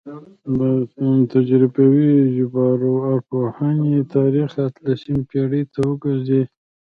د تجربوي ژبارواپوهنې تاریخ اتلسمې پیړۍ ته ورګرځي